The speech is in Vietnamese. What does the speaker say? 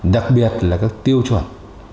đặc biệt là các tiêu chuẩn